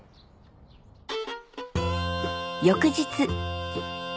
翌日。